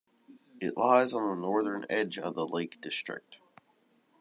It lies on the northern edge of the Lake District.